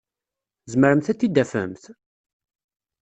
Tzemremt ad t-id-tafemt?